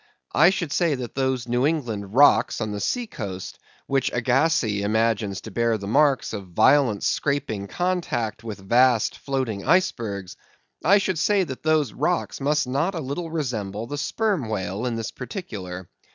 I should say that those New England rocks on the sea coast, which Agassiz imagines to bear the marks of violent scraping contact with vast floating icebergs—I should say, that those rocks must not a little resemble the Sperm Whale in this particular.